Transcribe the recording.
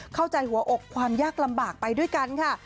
เข้าใจหัวอกความยากลำบากไปด้วยกันค่ะ